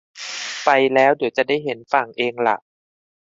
ไปแล้วเดี๋ยวจะได้เห็นฝั่งเองล่ะ